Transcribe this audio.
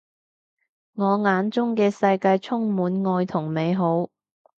我眼中嘅世界充滿愛同美好